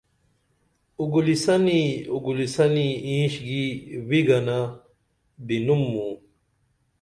اگولیسنی اگولیسنی اینش گی ویگِنہ بِنُم موں